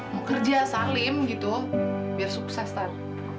mau kerja salim gitu biar sukses tadi